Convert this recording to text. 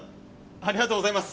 ありがとうございます！